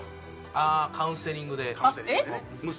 ああカウンセリングで。